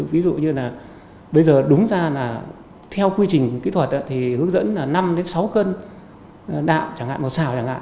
ví dụ như là bây giờ đúng ra là theo quy trình kỹ thuật thì hướng dẫn là năm sáu cân đạm chẳng hạn một xào chẳng hạn